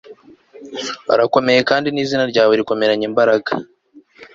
urakomeye kandi nizina ryawe Rikomeranye imbaraga